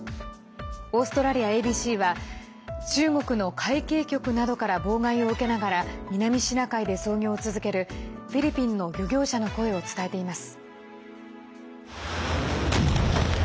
オーストラリアＡＢＣは中国の海警局などから妨害を受けながら南シナ海で操業を続けるフィリピンの漁業者の声を伝えています。